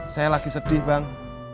saya lagi sedih bang